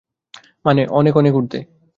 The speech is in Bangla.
মানে, অনেক অনেক ঊর্ধ্বে।